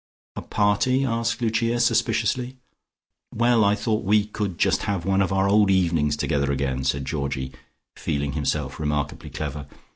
"A party?" asked Lucia suspiciously. "Well, I thought we would have just one of our old evenings together again," said Georgie, feeling himself remarkably clever.